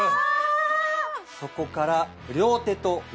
そこから。